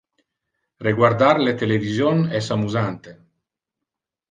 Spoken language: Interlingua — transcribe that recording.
Reguardar le television es amusante.